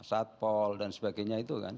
satpol dan sebagainya itu kan